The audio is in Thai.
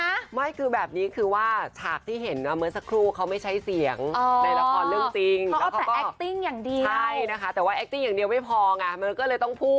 ใช่คือแบบนี้คือว่าฉากที่เห็นเหมือนสักครู่ก็ไม่ให้เสียงในละครเรื่องจริง